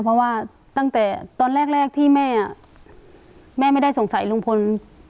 เพราะว่าตั้งแต่ตอนแรกที่แม่แม่ไม่ได้สงสัยลุงพล